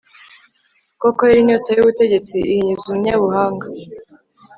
koko rero, inyota y'ubutegetsi ihinyuza umunyabuhanga